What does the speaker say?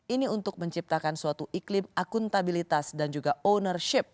ini untuk menciptakan suatu iklim akuntabilitas dan juga ownership